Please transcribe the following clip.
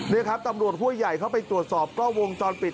นี่ครับตำรวจห้วยใหญ่เข้าไปตรวจสอบกล้องวงจรปิด